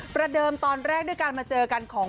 ประเดิมตอนแรกด้วยการมาเจอกันของ